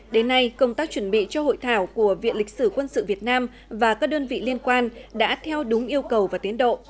đến nay công tác chuẩn bị cho hội thảo của viện lịch sử quân sự việt nam và các đơn vị liên quan đã theo đúng yêu cầu và tiến độ